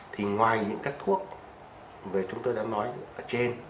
thì ngoài những các thuốc mà chúng tôi đã nói ở trên